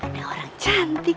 ada orang cantik